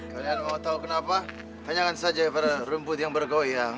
kalian mau tahu kenapa hanyakan saja pada rumput yang bergoyang